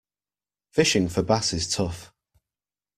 Fishing for bass is tough.